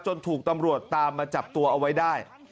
ถูกตำรวจตามมาจับตัวเอาไว้ได้